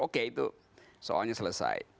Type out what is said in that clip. oke itu soalnya selesai